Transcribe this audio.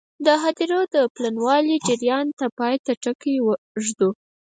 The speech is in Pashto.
د هدیرو د پلنوالي جریان ته د پای ټکی ږدو.